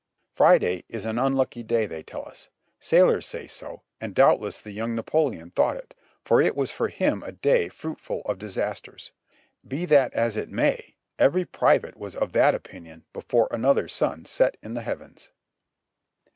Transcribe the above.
Friday is an unlucky day, they tell us ; sailors say so, and doubt less the young Napoleon thought it, for it was for him a day fruitful of disasters; be that as it may, every private was of that opinion before another sun set in the heavens.